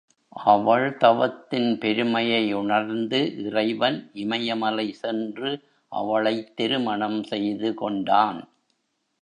அவள் தவத்தின் பெருமையை உணர்ந்து, இறைவன் இமயமலை சென்று அவளைத் திருமணம் செய்து கொண்டான்.